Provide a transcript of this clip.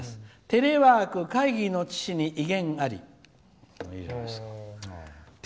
「テレワーク会議の父に威厳あり」。